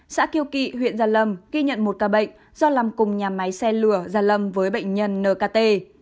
xã kiều kỵ huyện gia lâm ghi nhận một ca bệnh do làm cùng nhà máy xe lửa gia lâm với bệnh nhân nkt